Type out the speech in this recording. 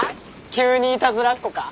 急にいたずらっ子か？